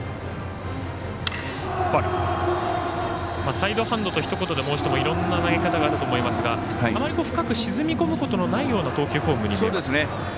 サイドハンドとひと言で申してもいろんな投げ方があると思いますがあまり深く沈みこむことのないような投球フォームに見えます。